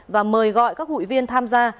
và mời gọi các hội viên tham gia